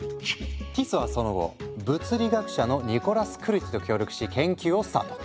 ティスはその後物理学者のニコラス・クルティと協力し研究をスタート。